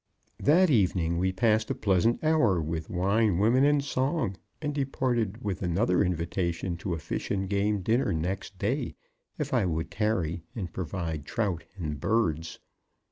That evening we passed a pleasant hour with "wine, women and song," and departed with another invitation to a fish and game dinner next day, if I would tarry and provide trout and birds.